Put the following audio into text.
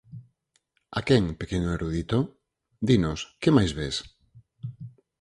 A quen, pequeno erudito? Dinos, que máis ves?